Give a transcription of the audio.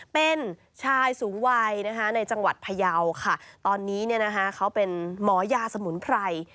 เป็นชายสูวัยในจังหวัดพยาวค่ะตอนนี้เขาเป็นหมอยาสมุนไพร